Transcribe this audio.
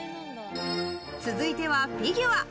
続いてはフィギュア。